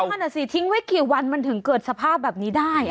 นั่นอ่ะสิทิ้งไว้กี่วันมันถึงเกิดสภาพแบบนี้ได้